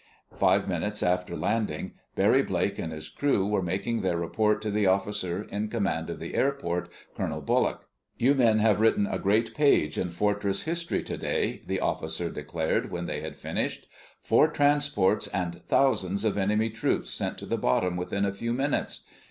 Five minutes after landing, Barry Blake and his crew were making their report to the officer in command of the airport, Colonel Bullock. "You men have written a great page in Fortress history today," the officer declared when they had finished. "Four transports and thousands of enemy troops sent to the bottom within a few minutes!